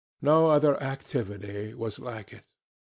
No other activity was like it.